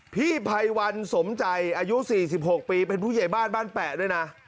พี่ไพวันสมใจอายุ๔๖ปีเป็นผู้ใหญ่บ้านบ้านแปะด้วยนะ